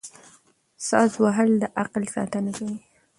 ساز وهل د عقل ساتنه کوي.